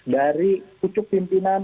dari kucuk pimpinan